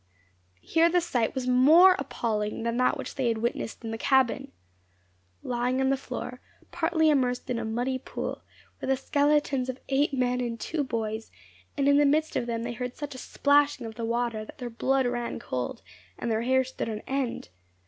Here the sight was more appalling than that which they had witnessed in the cabin. Lying on the floor, partly immersed in a muddy pool, were the skeletons of eight men and two boys; and in the midst of them they heard such a splashing of the water that their blood ran cold, and their hair stood on end.